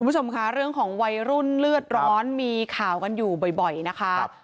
คุณผู้ชมค่ะเรื่องของวัยรุ่นเลือดร้อนมีข่าวกันอยู่บ่อยนะคะ